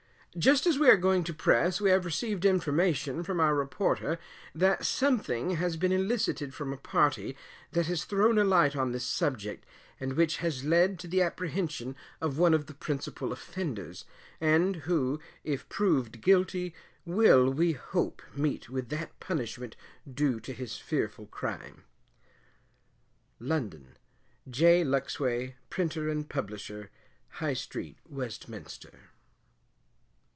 Just as we are going to press, we have received information from our reporter, that something has been elicited from a party that has thrown a light on this subject, and which has led to the apprehension of one of the principal offenders, and who, if proved guilty, will, we hope, meet with that punishment due to his fearful crime. London: J. Lucksway, Printer and Publisher, High Street, Westminster.